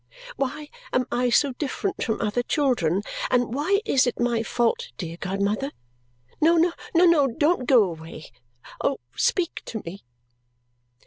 Why am I so different from other children, and why is it my fault, dear godmother? No, no, no, don't go away. Oh, speak to me!"